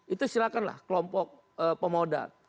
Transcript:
itu silakanlah kelompok pemodal